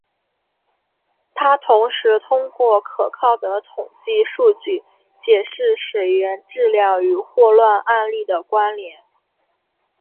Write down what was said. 他同时通过可靠的统计数据解释水源质量与霍乱案例的关联。